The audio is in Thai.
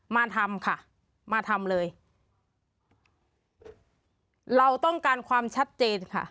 มาทำค่ะมาทำเลยเราต้องการความชัดเจนค่ะ